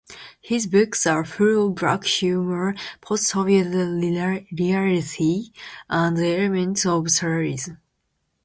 His books are full of black humour, post-Soviet reality and elements of surrealism.